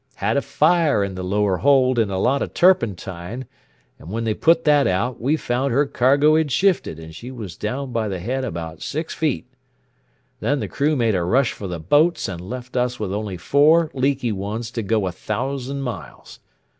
Had a fire in the lower hold in a lot of turpentine, and when they put that out we found her cargo had shifted and she was down by the head about six feet. Then the crew made a rush for the boats and left us with only four leaky ones to go a thousand miles.